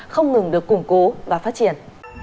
không ngừng được củng cố và phát triển